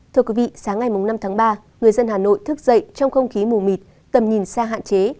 thưa quý vị sáng ngày năm tháng ba người dân hà nội thức dậy trong không khí mù mịt tầm nhìn xa hạn chế